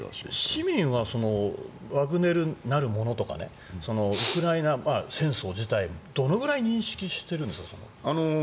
市民はワグネルなるものとかウクライナ戦争自体どのくらい認識してるんですか？